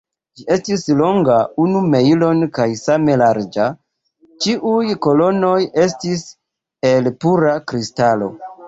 Ĝi estis longa unu mejlon kaj same larĝa; ĉiuj kolonoj estis el pura kristalo.